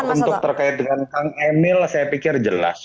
untuk terkait dengan kang emil saya pikir jelas